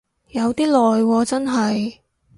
有啲耐喎真係